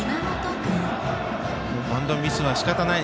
バントミスは、しかたない。